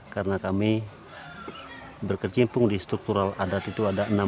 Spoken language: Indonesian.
karena kami berkecimpung di struktural adat itu ada enam